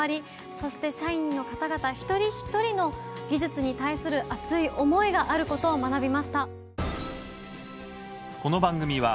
そして社員の方々一人ひとりの技術に対する熱い思いがあることを学びました。